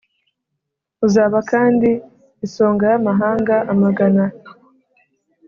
uzaba kandi isonga y'amahanga amagana.